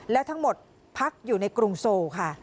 และทั้งหมดพักอยู่ในกรุงโซลค่ะ